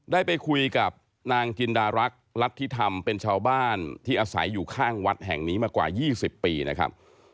ได้ไปคุยกับนางจินดารักษ์รัฐธิธรรมเป็นชาวบ้านที่อาศัยอยู่ข้างวัดแห่งนี้มากว่า๒๐ปีนะครับ